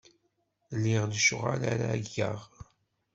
Liɣ lecɣal ara geɣ.